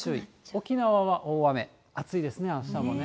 沖縄は大雨、暑いですね、あしたも。